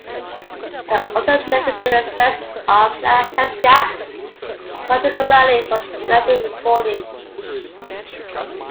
There are also negative aspects of narrow head gaps, particularly for magnetic recording.